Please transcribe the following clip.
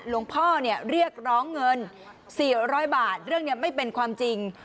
ลงพ่อเนี่ยเรียกร้องเงินสี่ร้อยบาทเรื่องเนี่ยไม่เป็นความจริง